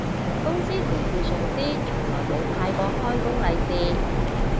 公司同事上司從來冇派過開工利是